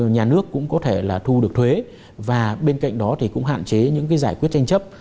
nhà nước cũng có thể là thu được thuế và bên cạnh đó thì cũng hạn chế những cái giải quyết tranh chấp